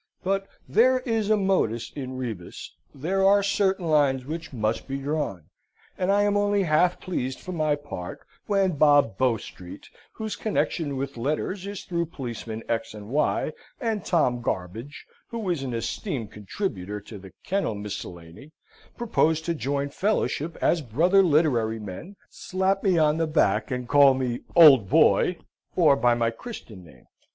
But there is a modus in rebus: there are certain lines which must be drawn: and I am only half pleased for my part, when Bob Bowstreet, whose connection with letters is through Policeman X and Y, and Tom Garbage, who is an esteemed contributor to the Kennel Miscellany, propose to join fellowship as brother literary men, slap me on the back, and call me old boy, or by my Christian name.